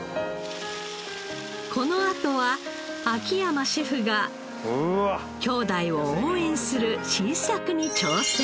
このあとは秋山シェフが兄弟を応援する新作に挑戦！